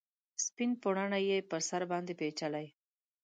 سپین پوړنې یې پر سر باندې پیچلي